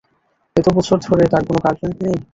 এত বছর ধরে তোর কোনো গার্লফ্রেন্ড নেই?